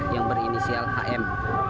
yang berinisial hm